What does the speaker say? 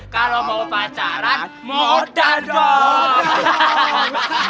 kalo mau pacaran moda dong